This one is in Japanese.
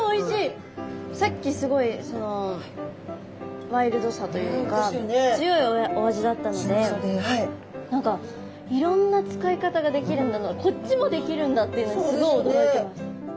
さっきすごいワイルドさというか強いお味だったので何かいろんな使い方ができるんだなこっちもできるんだっていうのにすごい驚いてます！